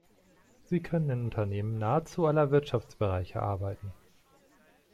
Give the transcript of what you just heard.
Sie können in Unternehmen nahezu aller Wirtschaftsbereiche arbeiten.